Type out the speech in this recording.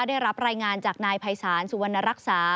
ได้รับรายงานจากนายภัยศาลสุวรรณรักษา